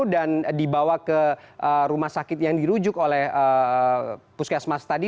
dan dibawa ke rumah sakit yang dirujuk oleh puskesmas tadi